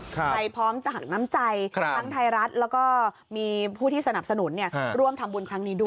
พร้อมจะหักน้ำใจทั้งไทยรัฐแล้วก็มีผู้ที่สนับสนุนร่วมทำบุญครั้งนี้ด้วย